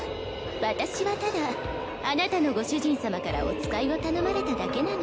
私はただあなたのご主人様からお使いを頼まれただけなの。